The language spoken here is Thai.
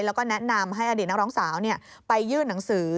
แล้วก็แนะนำให้อดีตนักร้องสาวไปยื่นหนังสือ